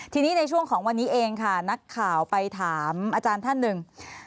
ทีนี้ในช่วงของวันนี้เองค่ะนักข่าวไปถามอาจารย์ท่านหนึ่ง